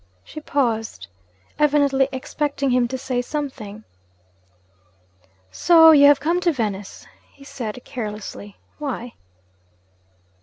She paused, evidently expecting him to say something. 'So you have come to Venice?' he said carelessly. 'Why?'